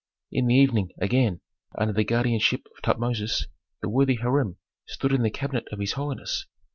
In the evening, again, under the guardianship of Tutmosis, the worthy Hiram stood in the cabinet of his holiness.